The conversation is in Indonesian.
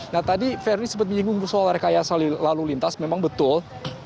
nah tadi ferdi sempat menyinggung soal rekayasa lalu lintas memang betul